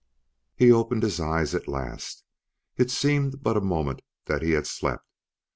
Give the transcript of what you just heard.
He opened his eyes at last; it seemed but a moment that he had slept.